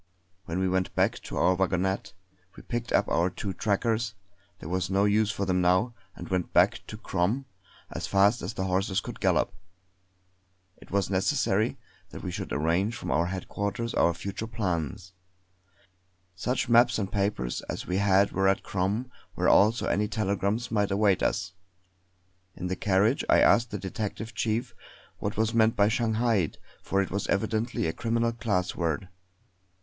When we went back to our wagonette, we picked up our two trackers there was no use for them now and went back to Crom as fast as the horses could gallop. It was necessary that we should arrange from headquarters our future plans; such maps and papers as we had were at Crom, where also any telegrams might await us. In the carriage I asked the detective chief what was meant by 'Shanghaied' for it was evidently a criminal class word.